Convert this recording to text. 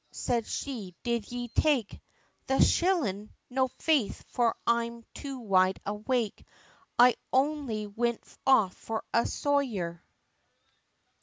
said she, "did ye take The shillin'?" "No faith, for I'm too wide awake, I only wint off for a sojer."